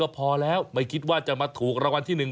โอ้โหนี่ชัดเจนเลย